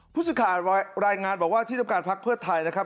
ผู้สื่อข่าวรายงานบอกว่าที่ทำการพักเพื่อไทยนะครับ